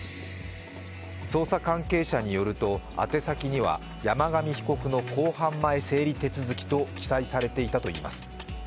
捜査関係者によると宛て先には山上被告の公判前整理手続と記載されていたといいます。